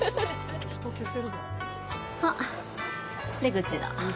あっ、出口だ。